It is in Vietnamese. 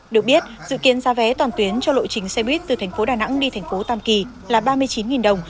được biết dự kiến ra vé toàn tuyến cho lộ trình xe buýt từ tp đà nẵng đi tp tam kỳ là ba mươi chín đồng